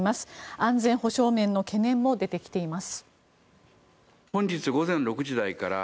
安全保障面の懸念も出てきています。